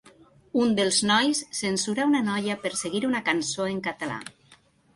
Un dels nois censurà una noia per seguir una cançó en català.